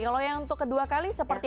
kalau yang kedua kali seperti itu